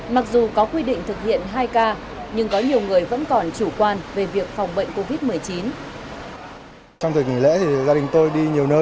mặc dù có quy định thực hiện hai k nhưng có nhiều người vẫn còn chủ quan về việc phòng bệnh covid một mươi chín